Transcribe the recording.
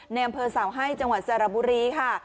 ในอำเภอเสาให้จังหวัดสระบุรีค่ะ